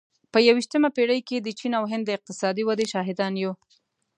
په یوویشتمه پېړۍ کې د چین او هند د اقتصادي ودې شاهدان یو.